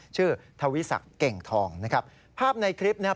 ทวิสักเก่งทองนะครับภาพในคลิปเนี่ย